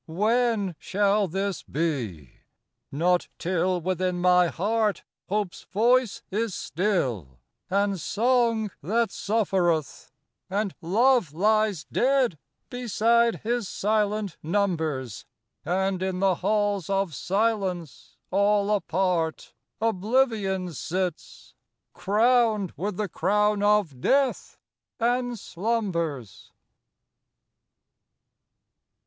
IV When shall this be? Not till within my heart Hope's voice is still, and song that suffereth, And love lies dead beside his silent numbers, And in the halls of silence, all apart, Oblivion sits, crowned with the crown of death, And slumbers.